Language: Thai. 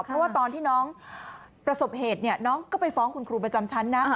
เพราะว่าตอนที่น้องประสบเหตุเนี่ยน้องก็ไปฟ้องคุณครูประจำชั้นนะ